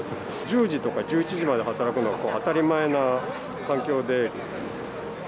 １０時とか１１時まで働くの当たり前な環境で。